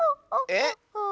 えっ？